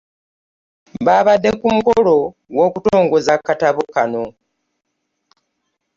Babadde ku mukolo gw'okutongoza akatabo kano